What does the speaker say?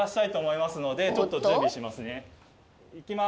ちょっと準備しますね。